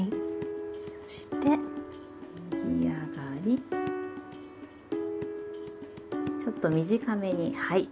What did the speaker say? そして右上がりちょっと短めにはい。